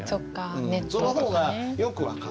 その方がよく分かる。